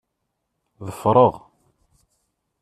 Ḍfer-aɣ.